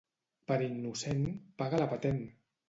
Per innocent, paga la patent!